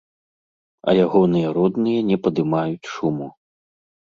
А ягоныя родныя не падымаюць шуму.